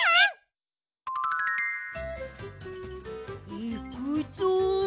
いくぞう！